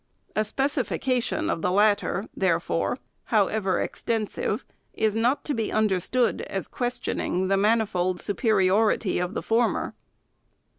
A specification of the latter, therefore, how FIRST ANNUAL REPORT. 389 ever extensive, is not to be understood as questioning the manifold superiority of the former.